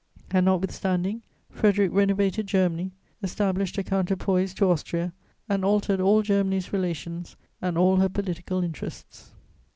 And, notwithstanding, Frederic renovated Germany, established a counterpoise to Austria, and altered all Germany's relations and all her political interests.